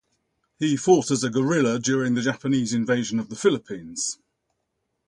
He fought as a guerrilla during the Japanese invasion of the Philippines.